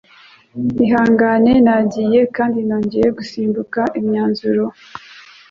Ihangane, Nagiye kandi nongeye gusimbuka imyanzuro.